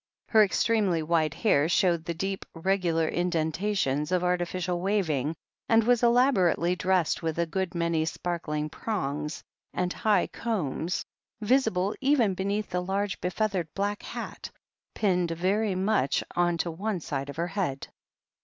Her extremely white hair showed the deep, regular indentations of artificial waving, and was elaborately dressed with a good many sparkling prongs and high combs, visible even beneath the large be feathered black hat, pinned very much on to one side of her head.